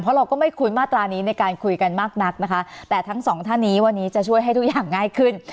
เพราะเราก็ไม่คุ้นมาตรานี้ในการคุยกันมากนักนะคะแต่ทั้งสองท่านนี้วันนี้จะช่วยให้ทุกอย่างง่ายขึ้น